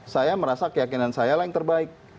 saya merasa keyakinan saya lah yang terbaik